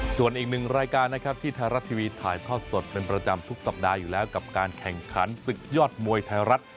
ส่วนอีกหนึ่งรายการนะครับที่ไทยรัฐทีวีถ่ายทอดสดเป็นประจำทุกสัปดาห์อยู่แล้วกับการแข่งขันศึกยอดมวยไทยรัฐ